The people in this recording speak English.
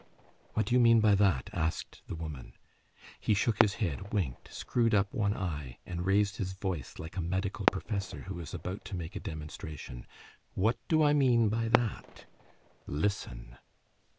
"What do you mean by that?" asked the woman. He shook his head, winked, screwed up one eye, and raised his voice like a medical professor who is about to make a demonstration:— "What do I mean by that? Listen!"